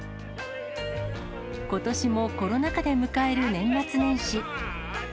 ことしもコロナ禍で迎える年末年始。